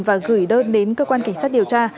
và gửi đơn đến cơ quan cảnh sát điều tra